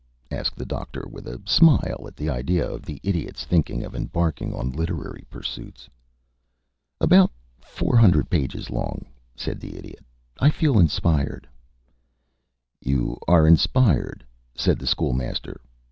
asked the Doctor, with a smile at the idea of the Idiot's thinking of embarking on literary pursuits. "About four hundred pages long," said the Idiot. "I feel inspired." "You are inspired," said the School Master.